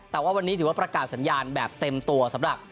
แต่ว่าวันนี้ถือว่าประกาศสัญญาณแบบเต็มตัวสำหรับ